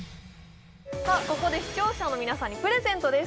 ここで視聴者の皆さんにプレゼントです